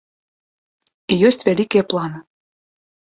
І ёсць вялікія планы.